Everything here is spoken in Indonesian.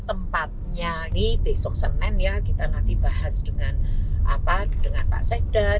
tempatnya ini besok senin ya kita nanti bahas dengan apa dengan pak seda dengan dinas apa pekerjaan umum